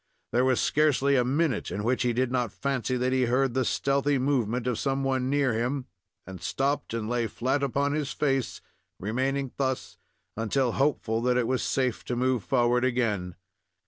There was scarcely a minute in which he did not fancy that he heard the stealthy movement of some one near him, and stopped and lay flat upon his face, remaining thus until hopeful that it was safe to move forward again.